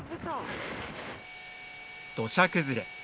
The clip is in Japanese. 土砂崩れ。